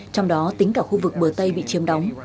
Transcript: trong đó tính cả khu vực bờ tây bị chiếm đóng